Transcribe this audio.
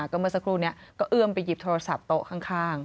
ก็เมื่อสักครู่นี้ก็เอื้อมไปหยิบโทรศัพท์โต๊ะข้าง